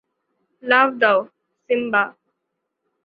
লাফ দাও, সিম্বা!